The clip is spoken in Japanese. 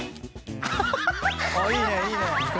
いいねいいね。